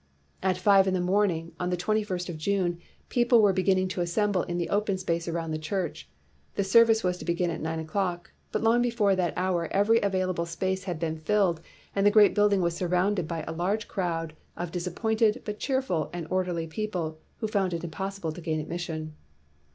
At five in the morning of the twenty first of June, people were be ginning to assemble in the open space around the church. The service was to be gin at nine o'clock, but long before that hour every available space had been filled and the 275 WHITE MAN OF WORK great building was surrounded by a large crowd of disappointed but cheerful and or derly people who found it impossible to gain admission.